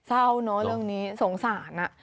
เศร้าเนอะเรื่องนี้สงสาร